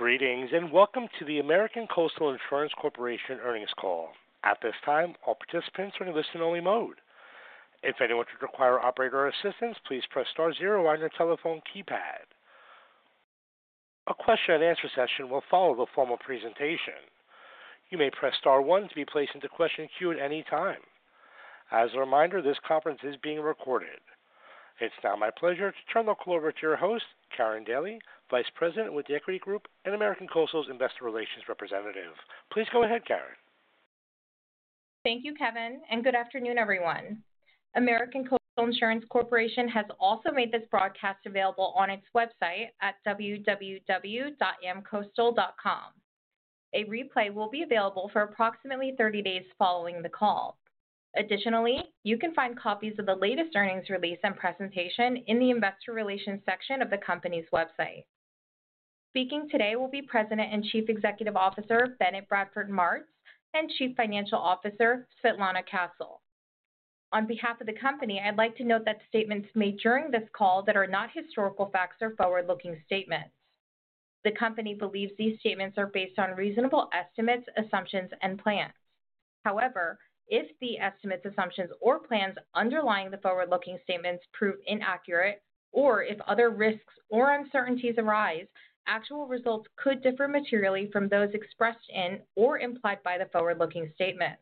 Greetings and welcome to the American Coastal Insurance Corporation earnings call. At this time, all participants are in listen-only mode. If anyone should require operator assistance, please press star zero on your telephone keypad. A question-and-answer session will follow the formal presentation. You may press star one to be placed into question queue at any time. As a reminder, this conference is being recorded. It's now my pleasure to turn the call over to your host, Karin Daly, Vice President with The Equity Group and American Coastal's Investor Relations Representative. Please go ahead, Karin. Thank you, Kevin, and good afternoon, everyone. American Coastal Insurance Corporation has also made this broadcast available on its website at www.amcoastal.com. A replay will be available for approximately 30 days following the call. Additionally, you can find copies of the latest earnings release and presentation in the Investor Relations section of the company's website. Speaking today will be President and Chief Executive Officer Bennett Bradford Martz and Chief Financial Officer Svetlana Castle. On behalf of the company, I'd like to note that statements made during this call are not historical facts or forward-looking statements. The company believes these statements are based on reasonable estimates, assumptions, and plans. However, if the estimates, assumptions, or plans underlying the forward-looking statements prove inaccurate, or if other risks or uncertainties arise, actual results could differ materially from those expressed in or implied by the forward-looking statements.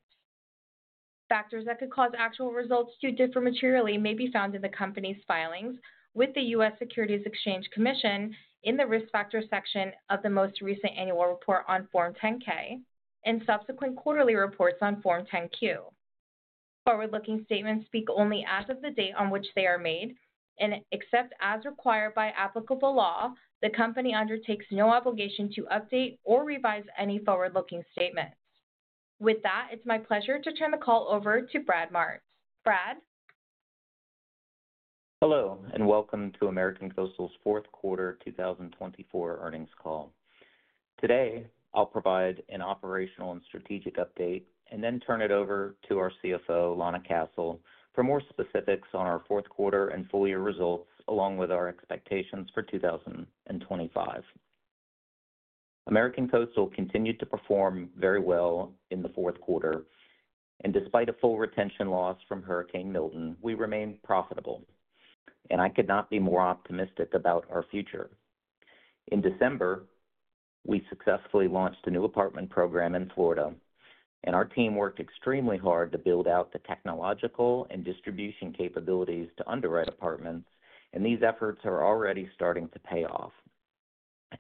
Factors that could cause actual results to differ materially may be found in the company's filings with the U.S. Securities Exchange Commission in the risk factor section of the most recent annual report on Form 10-K and subsequent quarterly reports on Form 10-Q. Forward-looking statements speak only as of the date on which they are made and, except as required by applicable law, the company undertakes no obligation to update or revise any forward-looking statements. With that, it's my pleasure to turn the call over to Brad Martz. Brad? Hello, and welcome to American Coastal's fourth quarter 2024 earnings call. Today, I'll provide an operational and strategic update and then turn it over to our CFO, Lana Castle, for more specifics on our fourth quarter and full-year results, along with our expectations for 2025. American Coastal continued to perform very well in the fourth quarter, and despite a full retention loss from Hurricane Milton, we remained profitable, and I could not be more optimistic about our future. In December, we successfully launched a new apartment program in Florida, and our team worked extremely hard to build out the technological and distribution capabilities to underwrite apartments, and these efforts are already starting to pay off.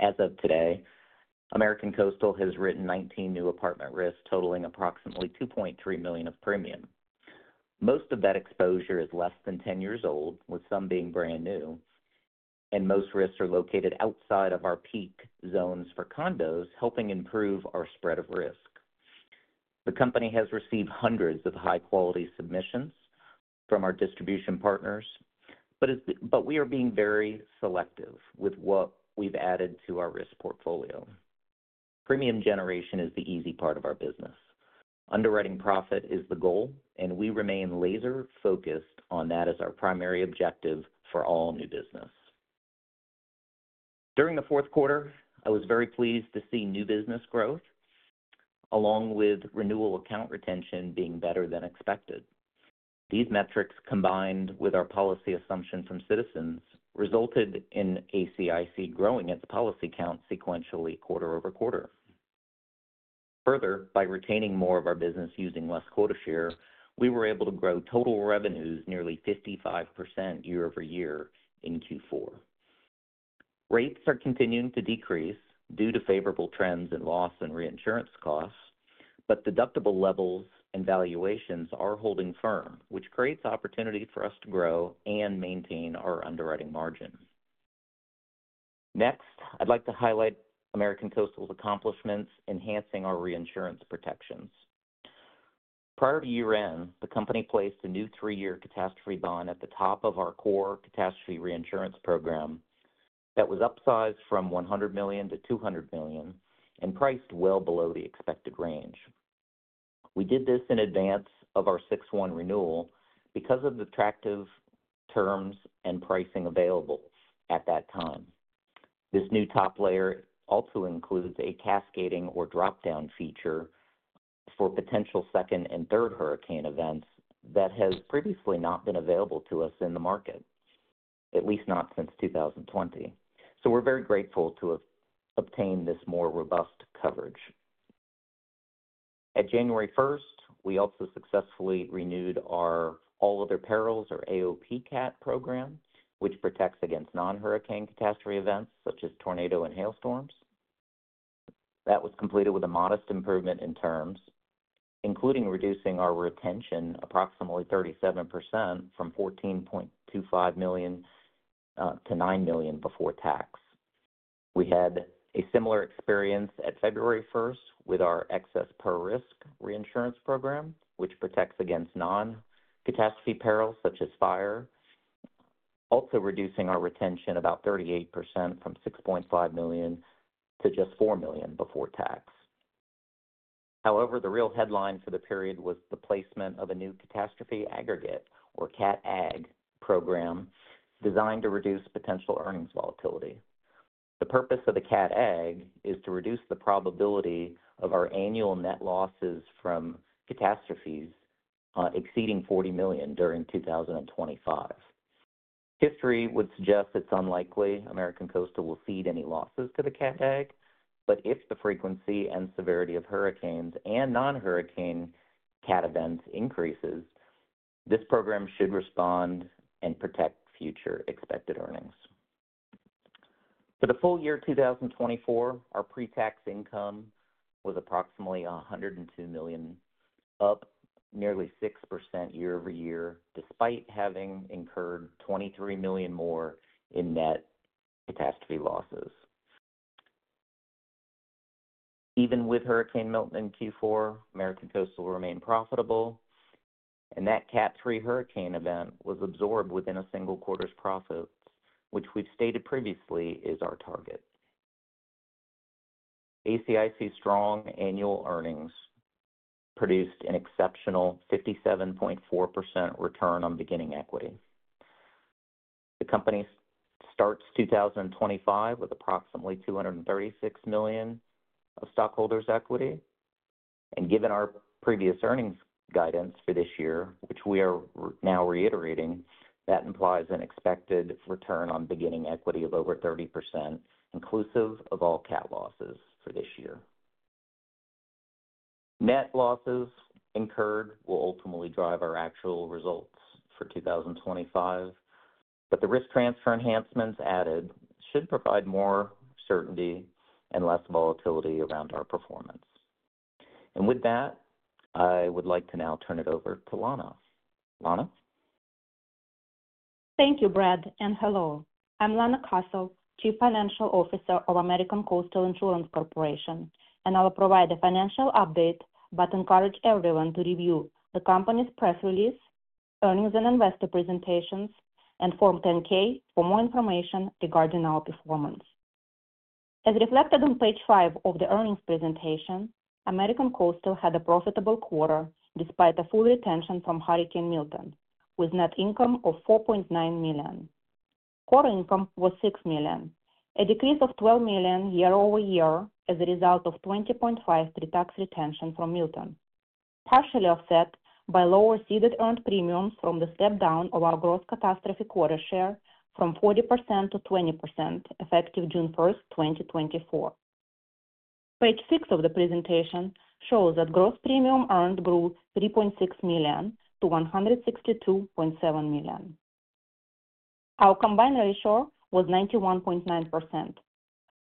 As of today, American Coastal has written 19 new apartment risks totaling approximately $2.3 million of premium. Most of that exposure is less than 10 years old, with some being brand new, and most risks are located outside of our peak zones for condos, helping improve our spread of risk. The company has received hundreds of high-quality submissions from our distribution partners, but we are being very selective with what we've added to our risk portfolio. Premium generation is the easy part of our business. Underwriting profit is the goal, and we remain laser-focused on that as our primary objective for all new business. During the fourth quarter, I was very pleased to see new business growth, along with renewal account retention being better than expected. These metrics, combined with our policy assumption from Citizens, resulted in ACIC growing its policy count sequentially quarter over quarter. Further, by retaining more of our business using less quota share, we were able to grow total revenues nearly 55% year over year in Q4. Rates are continuing to decrease due to favorable trends in loss and reinsurance costs, but deductible levels and valuations are holding firm, which creates opportunity for us to grow and maintain our underwriting margin. Next, I'd like to highlight American Coastal's accomplishments in enhancing our reinsurance protections. Prior to year-end, the company placed a new three-year catastrophe bond at the top of our core catastrophe reinsurance program that was upsized from $100 million to $200 million and priced well below the expected range. We did this in advance of our 6-1 renewal because of the attractive terms and pricing available at that time. This new top layer also includes a cascading or drop-down feature for potential second and third hurricane events that has previously not been available to us in the market, at least not since 2020. We are very grateful to have obtained this more robust coverage. At January 1, we also successfully renewed our All Other Perils, or AOPCAT program, which protects against non-hurricane catastrophe events such as tornado and hailstorms. That was completed with a modest improvement in terms, including reducing our retention approximately 37% from $14.25 million to $9 million before tax. We had a similar experience at February 1 with our Excess Per Risk reinsurance program, which protects against non-catastrophe perils such as fire, also reducing our retention about 38% from $6.5 million to just $4 million before tax. However, the real headline for the period was the placement of a new catastrophe aggregate, or CAT-AG program, designed to reduce potential earnings volatility. The purpose of the CAT-AG is to reduce the probability of our annual net losses from catastrophes exceeding $40 million during 2025. History would suggest it's unlikely American Coastal will feed any losses to the CAT-AG, but if the frequency and severity of hurricanes and non-hurricane CAT events increases, this program should respond and protect future expected earnings. For the full year 2024, our pre-tax income was approximately $102 million, up nearly 6% year over year, despite having incurred $23 million more in net catastrophe losses. Even with Hurricane Milton in Q4, American Coastal remained profitable, and that Cat 3 hurricane event was absorbed within a single quarter's profits, which we've stated previously is our target. ACIC's strong annual earnings produced an exceptional 57.4% return on beginning equity. The company starts 2025 with approximately $236 million of stockholders' equity, and given our previous earnings guidance for this year, which we are now reiterating, that implies an expected return on beginning equity of over 30%, inclusive of all CAT losses for this year. Net losses incurred will ultimately drive our actual results for 2025, but the risk transfer enhancements added should provide more certainty and less volatility around our performance. With that, I would like to now turn it over to Lana. Lana. Thank you, Brad, and hello. I'm Lana Castle, Chief Financial Officer of American Coastal Insurance Corporation, and I'll provide a financial update but encourage everyone to review the company's press release, earnings and investor presentations, and Form 10-K for more information regarding our performance. As reflected on page five of the earnings presentation, American Coastal had a profitable quarter despite a full retention from Hurricane Milton, with net income of $4.9 million. Core income was $6 million, a decrease of $12 million year over year as a result of $20.53 million retention from Milton, partially offset by lower ceded earned premiums from the step-down of our gross catastrophe quota share from 40% to 20% effective June 1, 2024. Page six of the presentation shows that gross premium earned grew $3.6 million to $162.7 million. Our combined ratio was 91.9%.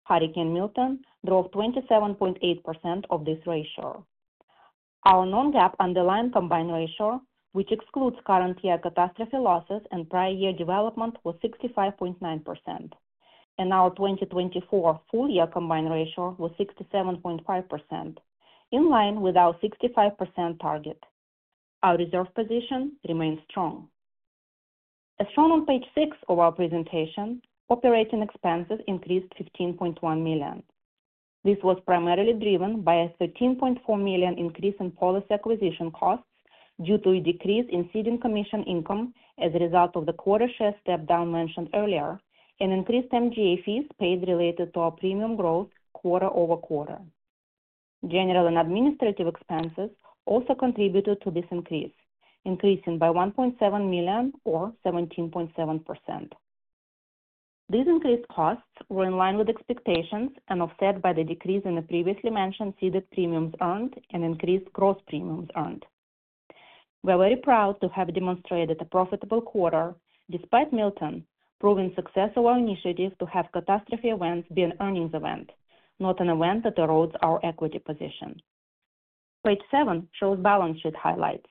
Hurricane Milton drove 27.8% of this ratio. Our non-GAAP underlying combined ratio, which excludes current year catastrophe losses and prior year development, was 65.9%, and our 2024 full-year combined ratio was 67.5%, in line with our 65% target. Our reserve position remains strong. As shown on page six of our presentation, operating expenses increased $15.1 million. This was primarily driven by a $13.4 million increase in policy acquisition costs due to a decrease in ceding commission income as a result of the quota share step-down mentioned earlier, and increased MGA fees paid related to our premium growth quarter over quarter. General and administrative expenses also contributed to this increase, increasing by $1.7 million, or 17.7%. These increased costs were in line with expectations and offset by the decrease in the previously mentioned ceded premiums earned and increased gross premiums earned. We are very proud to have demonstrated a profitable quarter despite Milton proving success of our initiative to have catastrophe events be an earnings event, not an event that erodes our equity position. Page seven shows balance sheet highlights.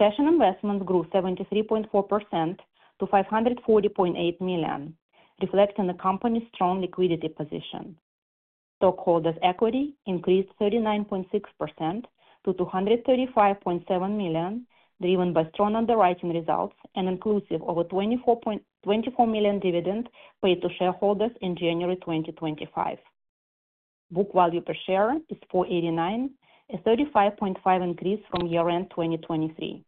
Cash and investments grew 73.4% to $540.8 million, reflecting the company's strong liquidity position. Stockholders' equity increased 39.6% to $235.7 million, driven by strong underwriting results and inclusive of a $24 million dividend paid to shareholders in January 2025. Book value per share is $489, a 35.5% increase from year-end 2023.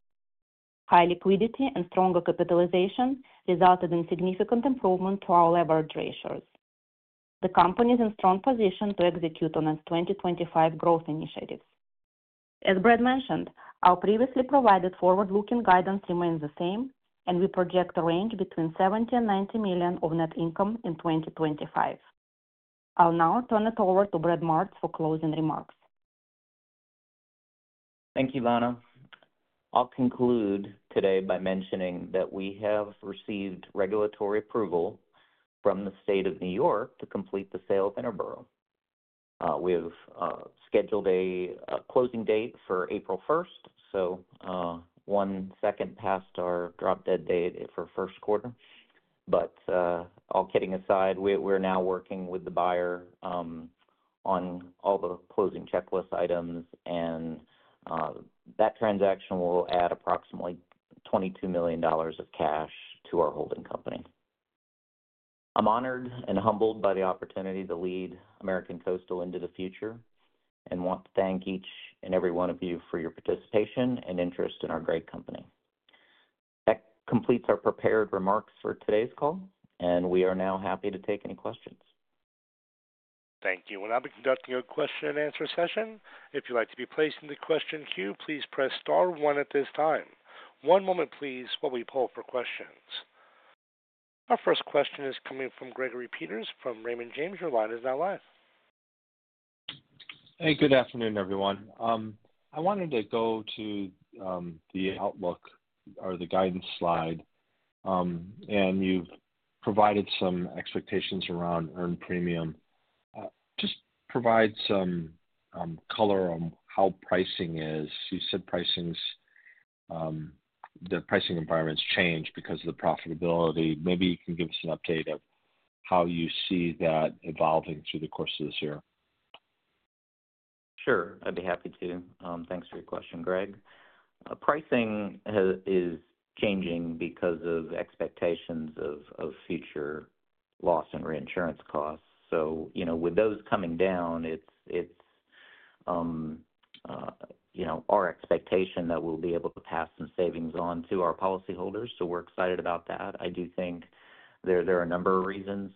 High liquidity and stronger capitalization resulted in significant improvement to our leverage ratios. The company is in a strong position to execute on its 2025 growth initiatives. As Brad mentioned, our previously provided forward-looking guidance remains the same, and we project a range between $70-$90 million of net income in 2025. I'll now turn it over to Brad Martz for closing remarks. Thank you, Lana. I'll conclude today by mentioning that we have received regulatory approval from the state of New York to complete the sale of Interborough. We have scheduled a closing date for April 1, so one second past our drop-dead date for first quarter. All kidding aside, we're now working with the buyer on all the closing checklist items, and that transaction will add approximately $22 million of cash to our holding company. I'm honored and humbled by the opportunity to lead American Coastal into the future and want to thank each and every one of you for your participation and interest in our great company. That completes our prepared remarks for today's call, and we are now happy to take any questions. Thank you. We'll now be conducting a question-and-answer session. If you'd like to be placed in the question queue, please press star one at this time. One moment, please, while we pull for questions. Our first question is coming from Gregory Peters from Raymond James. Your line is now live. Hey, good afternoon, everyone. I wanted to go to the outlook or the guidance slide, and you've provided some expectations around earned premium. Just provide some color on how pricing is. You said the pricing environment's changed because of the profitability. Maybe you can give us an update of how you see that evolving through the course of this year. Sure. I'd be happy to. Thanks for your question, Greg. Pricing is changing because of expectations of future loss and reinsurance costs. With those coming down, it's our expectation that we'll be able to pass some savings on to our policyholders, so we're excited about that. I do think there are a number of reasons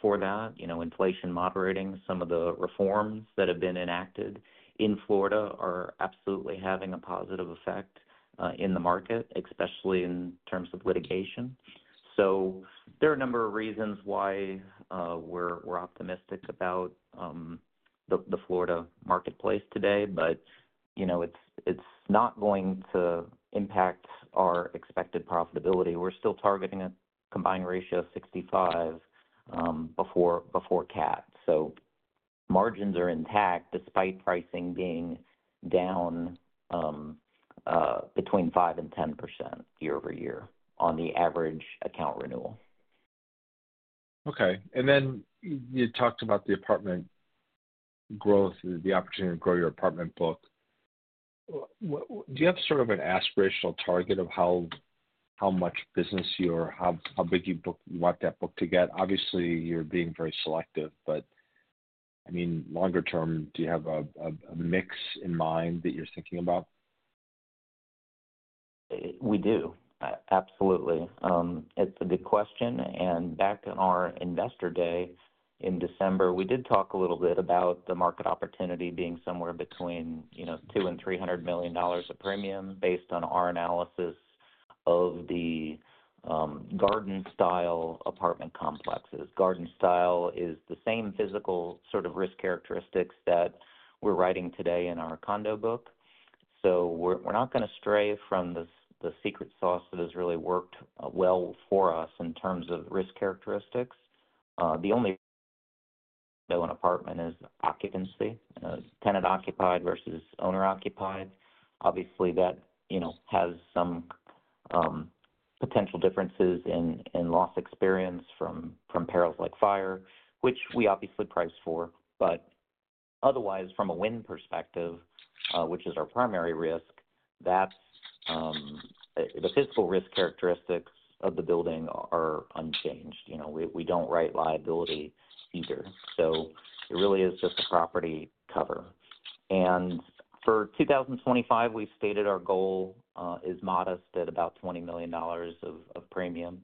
for that. Inflation moderating, some of the reforms that have been enacted in Florida are absolutely having a positive effect in the market, especially in terms of litigation. There are a number of reasons why we're optimistic about the Florida marketplace today, but it's not going to impact our expected profitability. We're still targeting a combined ratio of 65% before CAT. Margins are intact despite pricing being down between 5% and 10% year over year on the average account renewal. Okay. You talked about the apartment growth, the opportunity to grow your apartment book. Do you have sort of an aspirational target of how much business you or how big you want that book to get? Obviously, you're being very selective, but I mean, longer term, do you have a mix in mind that you're thinking about? We do. Absolutely. It's a good question. Back in our investor day in December, we did talk a little bit about the market opportunity being somewhere between $200 million and $300 million of premium based on our analysis of the garden-style apartment complexes. Garden style is the same physical sort of risk characteristics that we're writing today in our condo book. We're not going to stray from the secret sauce that has really worked well for us in terms of risk characteristics. The only thing about an apartment is occupancy, tenant-occupied versus owner-occupied. Obviously, that has some potential differences in loss experience from perils like fire, which we obviously price for. Otherwise, from a wind perspective, which is our primary risk, the physical risk characteristics of the building are unchanged. We don't write liability either. It really is just a property cover. For 2025, we've stated our goal is modest at about $20 million of premium.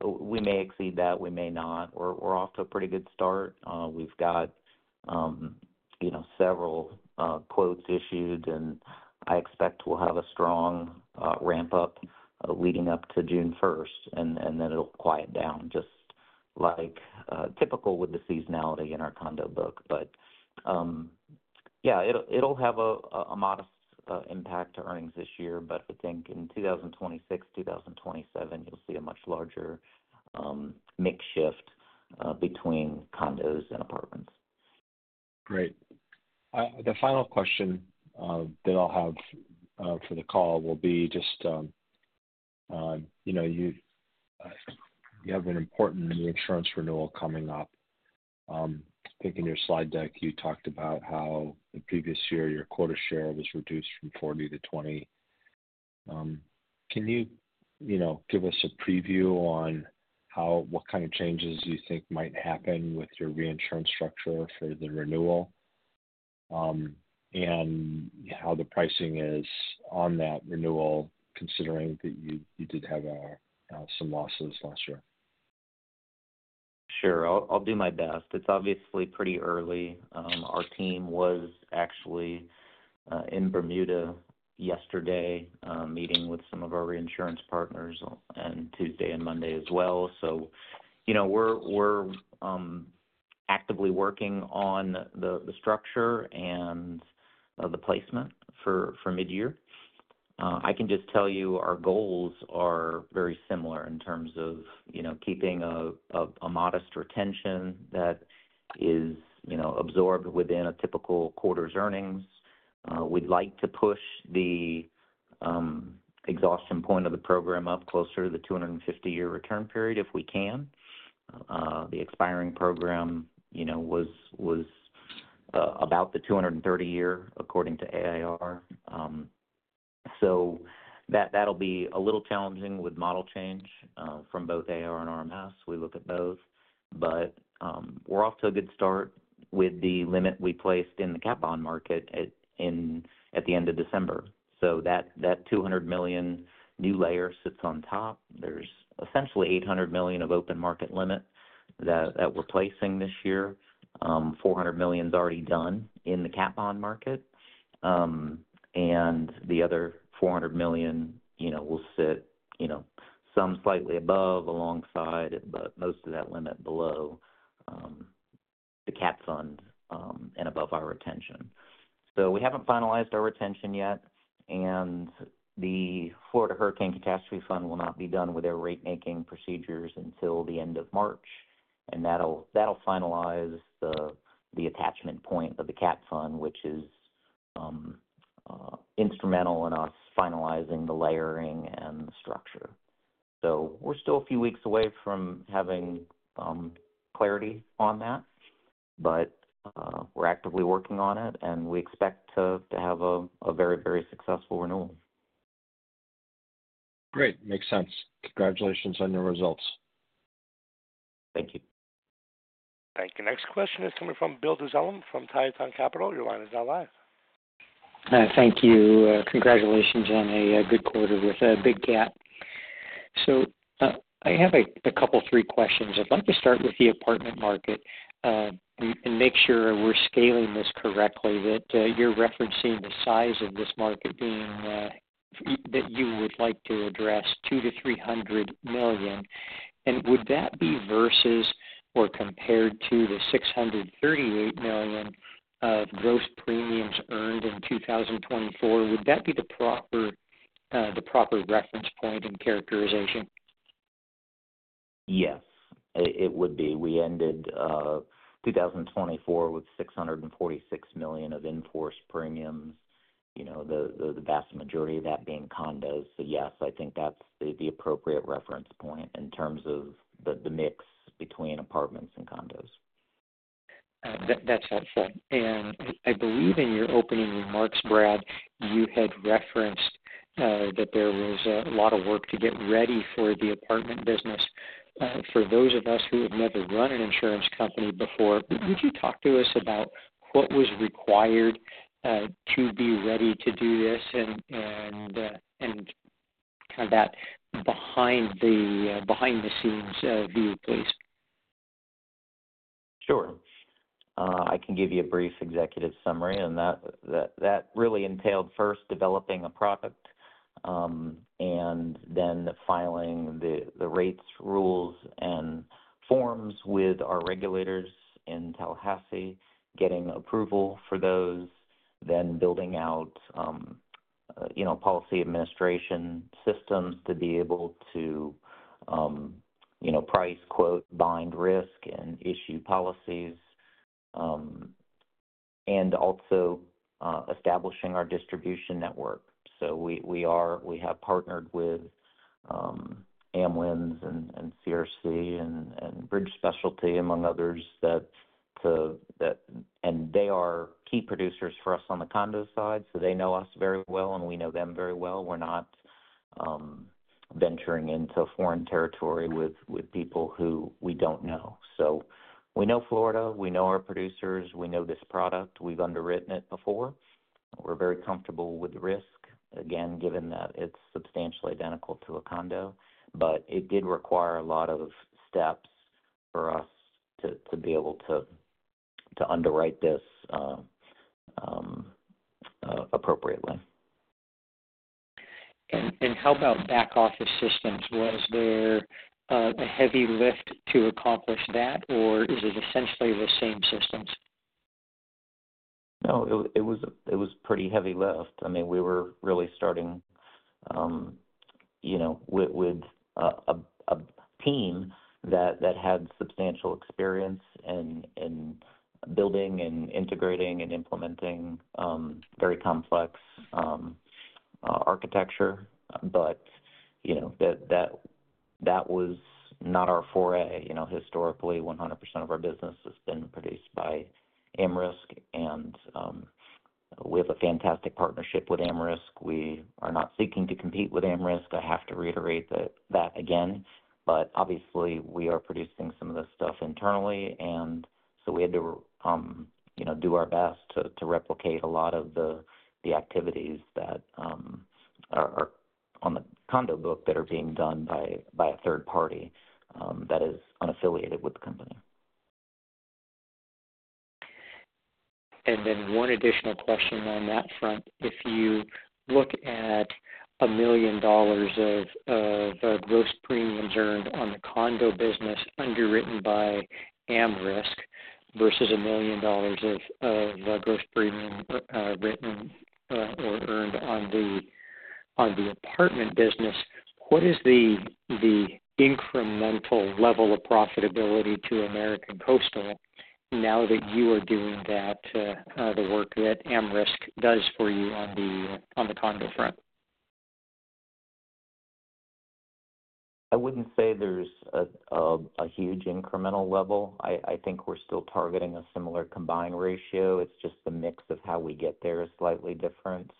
We may exceed that. We may not. We're off to a pretty good start. We've got several quotes issued, and I expect we'll have a strong ramp-up leading up to June 1, and then it'll quiet down, just like typical with the seasonality in our condo book. Yeah, it'll have a modest impact to earnings this year, but I think in 2026, 2027, you'll see a much larger makeshift between condos and apartments. Great. The final question that I'll have for the call will be just you have an important reinsurance renewal coming up. I think in your slide deck, you talked about how the previous year your quota share was reduced from 40% to 20%. Can you give us a preview on what kind of changes you think might happen with your reinsurance structure for the renewal and how the pricing is on that renewal, considering that you did have some losses last year? Sure. I'll do my best. It's obviously pretty early. Our team was actually in Bermuda yesterday, meeting with some of our reinsurance partners on Tuesday and Monday as well. We're actively working on the structure and the placement for mid-year. I can just tell you our goals are very similar in terms of keeping a modest retention that is absorbed within a typical quarter's earnings. We'd like to push the exhaustion point of the program up closer to the 250-year return period if we can. The expiring program was about the 230-year, according to AIR. That'll be a little challenging with model change from both AIR and RMS. We look at both, but we're off to a good start with the limit we placed in the cap bond market at the end of December. That $200 million new layer sits on top. There's essentially $800 million of open market limit that we're placing this year. $400 million is already done in the cat bond market. The other $400 million will sit some slightly above, alongside, but most of that limit below the cat fund and above our retention. We haven't finalized our retention yet, and the Florida Hurricane Catastrophe Fund will not be done with their rate-making procedures until the end of March. That will finalize the attachment point of the cat fund, which is instrumental in us finalizing the layering and the structure. We're still a few weeks away from having clarity on that, but we're actively working on it, and we expect to have a very, very successful renewal. Great. Makes sense. Congratulations on your results. Thank you. Thank you. Next question is coming from Bill D'Zellem from Tie-Ton Capital. Your line is now live. Thank you. Congratulations on a good quarter with a big cap. I have a couple of three questions. I'd like to start with the apartment market and make sure we're scaling this correctly, that you're referencing the size of this market being that you would like to address $200 million-$300 million. Would that be versus or compared to the $638 million of gross premiums earned in 2024? Would that be the proper reference point and characterization? Yes, it would be. We ended 2024 with $646 million of in-force premiums, the vast majority of that being condos. Yes, I think that's the appropriate reference point in terms of the mix between apartments and condos. That's outside. I believe in your opening remarks, Brad, you had referenced that there was a lot of work to get ready for the apartment business. For those of us who have never run an insurance company before, would you talk to us about what was required to be ready to do this and kind of that behind-the-scenes view, please? Sure. I can give you a brief executive summary, and that really entailed first developing a product and then filing the rates, rules, and forms with our regulators in Tallahassee, getting approval for those, then building out policy administration systems to be able to price, quote, bind risk, and issue policies, and also establishing our distribution network. We have partnered with AmWinds and CRC and Bridge Specialty, among others, and they are key producers for us on the condo side. They know us very well, and we know them very well. We're not venturing into foreign territory with people who we don't know. We know Florida. We know our producers. We know this product. We've underwritten it before. We're very comfortable with the risk, again, given that it's substantially identical to a condo, but it did require a lot of steps for us to be able to underwrite this appropriately. How about back-office systems? Was there a heavy lift to accomplish that, or is it essentially the same systems? No, it was a pretty heavy lift. I mean, we were really starting with a team that had substantial experience in building and integrating and implementing very complex architecture. That was not our foray. Historically, 100% of our business has been produced by AmRisc, and we have a fantastic partnership with AmRisc. We are not seeking to compete with AmRisc. I have to reiterate that again. Obviously, we are producing some of this stuff internally, and we had to do our best to replicate a lot of the activities that are on the condo book that are being done by a third party that is unaffiliated with the company. One additional question on that front. If you look at $1 million of gross premiums earned on the condo business underwritten by AmRisc versus $1 million of gross premium written or earned on the apartment business, what is the incremental level of profitability to American Coastal now that you are doing the work that AmRisc does for you on the condo front? I wouldn't say there's a huge incremental level. I think we're still targeting a similar combined ratio. It's just the mix of how we get there is slightly different.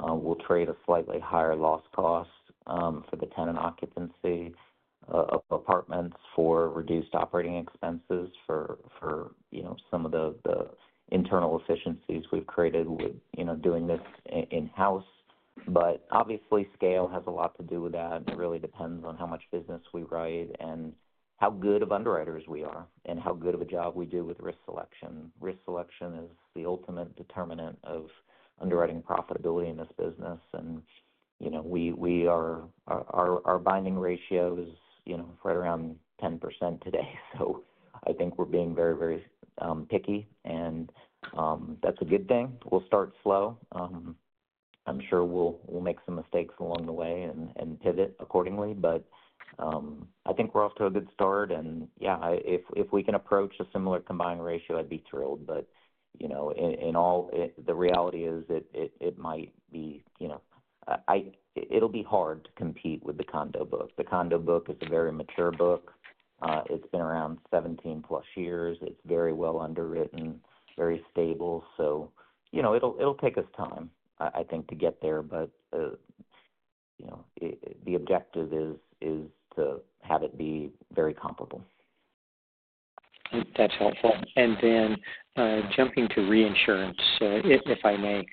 We'll trade a slightly higher loss cost for the tenant occupancy of apartments for reduced operating expenses for some of the internal efficiencies we've created with doing this in-house. Obviously, scale has a lot to do with that. It really depends on how much business we write and how good of underwriters we are and how good of a job we do with risk selection. Risk selection is the ultimate determinant of underwriting profitability in this business. Our binding ratio is right around 10% today. I think we're being very, very picky, and that's a good thing. We'll start slow. I'm sure we'll make some mistakes along the way and pivot accordingly. I think we're off to a good start. Yeah, if we can approach a similar combined ratio, I'd be thrilled. The reality is that it might be hard to compete with the condo book. The condo book is a very mature book. It's been around 17-plus years. It's very well underwritten, very stable. It'll take us time, I think, to get there. The objective is to have it be very comparable. That's helpful. Jumping to reinsurance, if I may.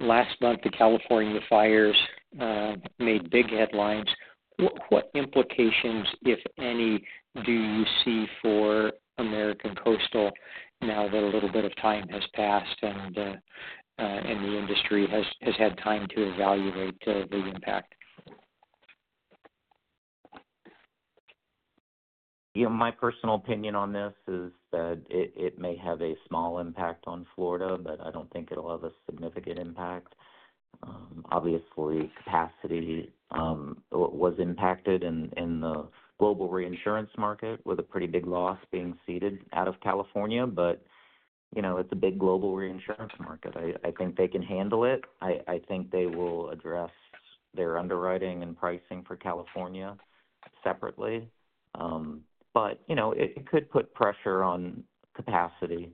Last month, the California fires made big headlines. What implications, if any, do you see for American Coastal now that a little bit of time has passed and the industry has had time to evaluate the impact? My personal opinion on this is that it may have a small impact on Florida, but I don't think it'll have a significant impact. Obviously, capacity was impacted in the global reinsurance market with a pretty big loss being ceded out of California. It is a big global reinsurance market. I think they can handle it. I think they will address their underwriting and pricing for California separately. It could put pressure on capacity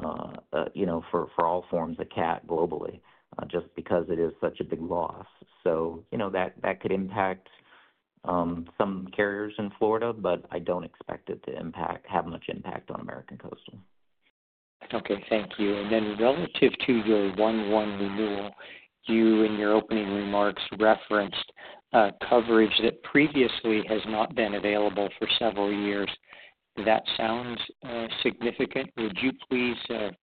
for all forms of CAT globally just because it is such a big loss. That could impact some carriers in Florida, but I don't expect it to have much impact on American Coastal. Okay. Thank you. Relative to your one-one renewal, you in your opening remarks referenced coverage that previously has not been available for several years. That sounds significant. Would you please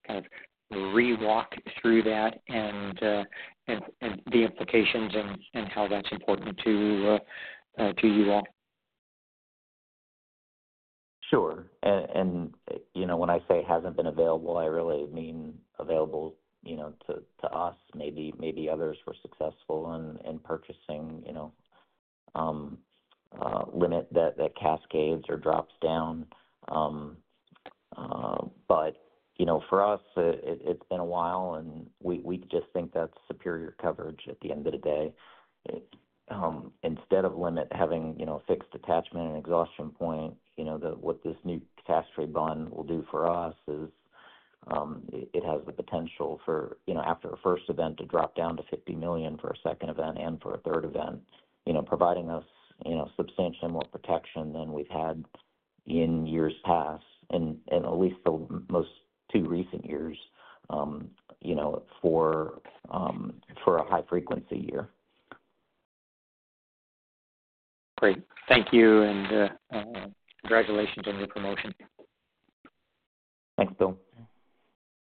kind of rewalk through that and the implications and how that's important to you all? Sure. When I say hasn't been available, I really mean available to us. Maybe others were successful in purchasing limit that cascades or drops down. For us, it's been a while, and we just think that's superior coverage at the end of the day. Instead of limit having fixed attachment and exhaustion point, what this new catastrophe bond will do for us is it has the potential for, after a first event, to drop down to $50 million for a second event and for a third event, providing us substantially more protection than we've had in years past, and at least the most two recent years for a high-frequency year. Great. Thank you. Congratulations on your promotion. Thanks, Bill.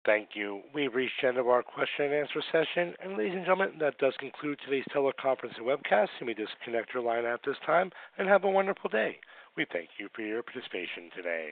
Thank you. We've reached the end of our question-and-answer session. Ladies and gentlemen, that does conclude today's teleconference and webcast. We disconnect your line at this time and have a wonderful day. We thank you for your participation today.